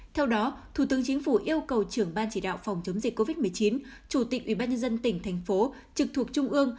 theo đó thủ tướng chính phủ yêu cầu trưởng ban chỉ đạo phòng chống dịch covid một mươi chín chủ tịch ubnd tỉnh thành phố trực thuộc trung ương